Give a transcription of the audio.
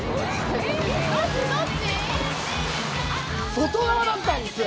外側だったんですよ。